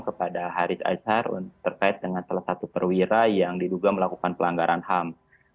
kepada haris azhar terkait dengan salah satu perwira yang diduga melakukan pelanggaran ham